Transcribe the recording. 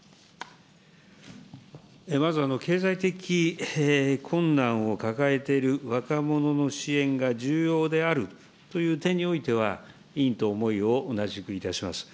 まず、経済的困難を抱えている若者の支援が重要であるという点においては、委員と思いを同じくいたします。